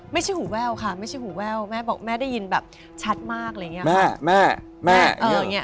ไม่ใช่หูแว่วค่ะไม่ใช่หูแว่วแม่บอกแม่ได้ยินแบบชัดมากอะไรอย่างเงี้ยแม่แม่